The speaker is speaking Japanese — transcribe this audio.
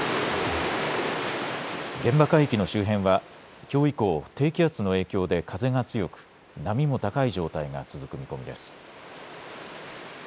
現場海域の周辺はきょう以降、低気圧の影響で風が強く波も高い状態が続く見込みです。